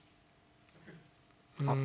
あっ。